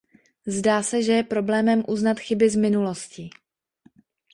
Zdá se, že je problémem uznat chyby z minulosti.